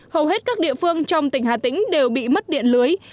hầu hết các địa phương trong tỉnh hà tĩnh đều bị mất điện lưới